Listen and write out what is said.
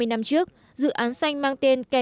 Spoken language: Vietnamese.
ba mươi năm trước dự án xanh mang tên là asu